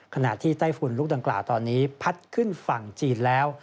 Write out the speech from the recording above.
ไต้ฝุ่นลูกดังกล่าวตอนนี้พัดขึ้นฝั่งจีนแล้ว